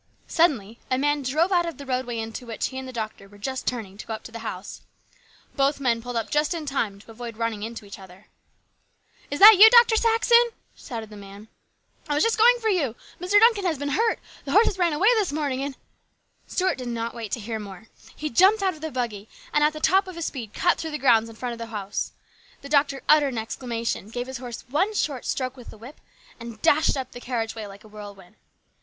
Suddenly a man drove out of the roadway into which he and the doctor were just turning to go up to the house. Both men pulled up just in time to avoid running into each other. " Is that you, Dr. Saxon ?" shouted the man. " I was just going for you. Mr. Duncan has been hurt. The horses ran away this morning, and " Stuart did not wait to hear more. He jumped out of the buggy and at the top of his speed cut through the grounds in front of the house. The doctor uttered an exclamation, gave his horse one short stroke with the whip, and dashed up the carriage way like a whirlwind.